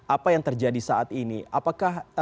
apa yang terjadi saat ini apakah